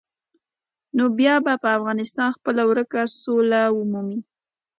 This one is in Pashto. نو بیا به افغانستان خپله ورکه سوله ومومي.